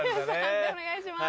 判定お願いします。